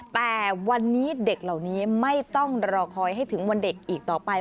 แต่วันนี้เด็กเหล่านี้ไม่ต้องรอคอยให้ถึงวันเด็กอีกต่อไป